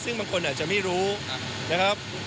ซึ่งบางคนอาจจะไม่รู้นะครับ